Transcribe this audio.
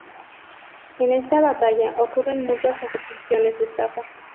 En esta batalla, ocurren mutuas acusaciones de estafa.